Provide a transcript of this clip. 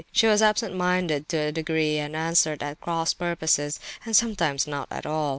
She was absent minded to a degree, and answered at cross purposes, and sometimes not at all.